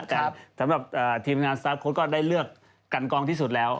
แต่สำหรับทีมงานสตาร์ฟโค้ดก็ได้เลือกกันกองที่สุดแล้ว